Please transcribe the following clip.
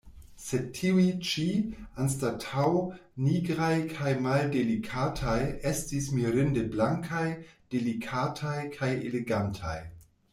Sed tiuj ĉi, anstataŭ nigraj kaj maldelikataj, estis mirinde blankaj, delikataj kaj elegantaj.